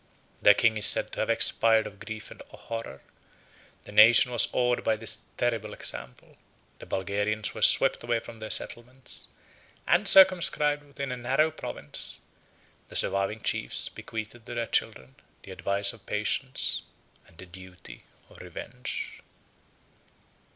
Their king is said to have expired of grief and horror; the nation was awed by this terrible example; the Bulgarians were swept away from their settlements, and circumscribed within a narrow province; the surviving chiefs bequeathed to their children the advice of patience and the duty of revenge.